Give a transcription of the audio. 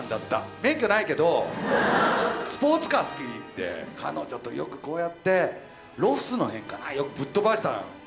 免許ないけどスポーツカー好きで彼女とよくこうやってロスの辺かなよくぶっ飛ばした。